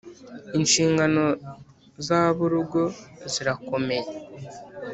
Inshingano z aburugo zirakomeye